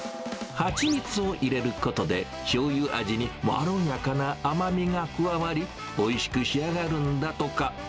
蜂蜜を入れることで、しょうゆ味にまろやかな甘みが加わり、おいしく仕上がるんだとか。